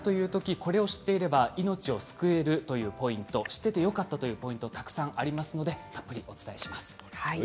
これを知っていれば命を救えるというポイントを知っててよかったというポイントがたくさんありますのでじっくりお伝えします。